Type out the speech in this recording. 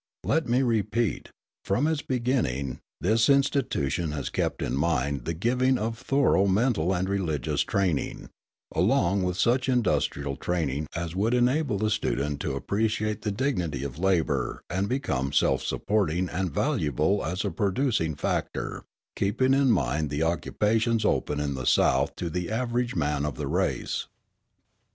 Let me repeat, from its beginning, this institution has kept in mind the giving of thorough mental and religious training, along with such industrial training as would enable the student to appreciate the dignity of labour and become self supporting and valuable as a producing factor, keeping in mind the occupations open in the South to the average man of the race.